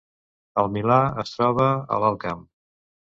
El Milà es troba a l’Alt Camp